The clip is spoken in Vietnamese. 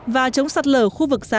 và chống sạt lở khu vực xã an